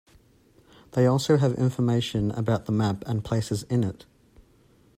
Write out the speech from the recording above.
They also have information about the map and places in it.